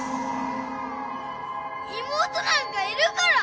妹なんかいるから！